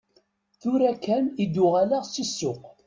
Tura kan i d-uɣaleɣ si ssuq.